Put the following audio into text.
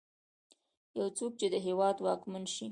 يو څوک چې د هېواد واکمن شي.